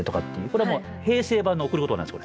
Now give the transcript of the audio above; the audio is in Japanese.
これはもう平成版の「贈る言葉」なんです。